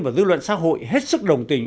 và dư luận xã hội hết sức đồng tình